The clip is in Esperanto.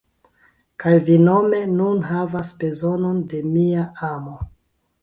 Kaj vi nome nun havas bezonon de mia amo.